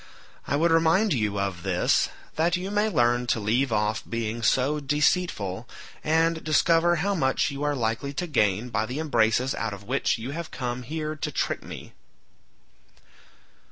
I would remind you of this that you may learn to leave off being so deceitful, and discover how much you are likely to gain by the embraces out of which you have come here to trick me."